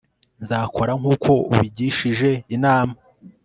nzakora nkuko ubigishije inama